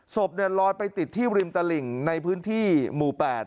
ศพลอยไปติดที่ริมตลิ่งในพื้นที่หมู่๘